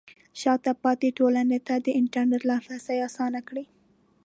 شاته پاتې ټولنې ته د انټرنیټ لاسرسی اسانه کړئ.